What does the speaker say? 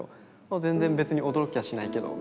「全然別に驚きはしないけど」みたいな。